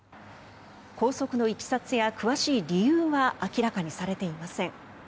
拘束のいきさつや詳しい理由は明らかにされていません。